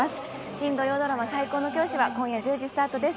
新土曜ドラマ『最高の教師』は今夜１０時スタートです。